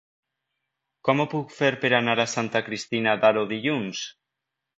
Com ho puc fer per anar a Santa Cristina d'Aro dilluns?